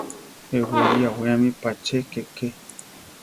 Eʼwéli awéame pa che kéke.